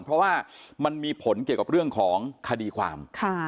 เพราะว่ามันมีผลเกี่ยวกับเรื่องของคดีความ